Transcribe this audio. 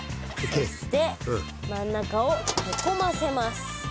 そして真ん中をへこませます。